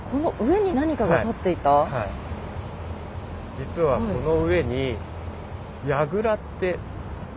実はこの上に隅やぐら。